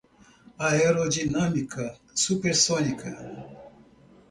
aerodinâmica supersônica